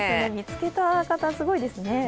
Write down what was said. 見つけた方、すごいですね。